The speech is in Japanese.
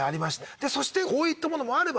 でそしてこういったものもあれば。